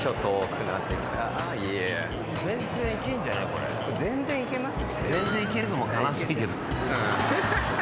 これ全然いけます。